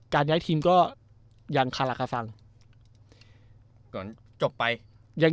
การย้ายทีมก็ยังคารักษ์กระฟัง